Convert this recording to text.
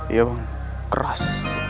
iya bang keras